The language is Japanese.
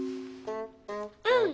うん！